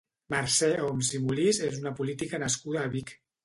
Mercè Homs i Molist és una política nascuda a Vic.